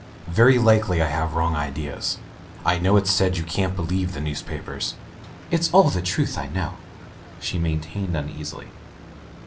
Very likely I have wrong ideas. I know it's said you can't believe the newspapers." "It's all the truth I know," she maintained uneasily.